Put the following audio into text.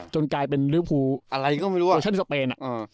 จนกลายเป็นริวพูลเวอร์ชั่นสเปน